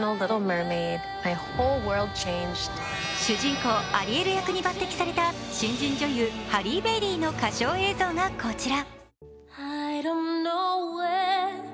主人公アリエル役に抜てきされた新人女優、ハリー・ベイリーの歌唱映像がこちら。